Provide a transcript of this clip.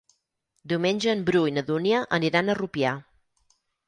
Diumenge en Bru i na Dúnia aniran a Rupià.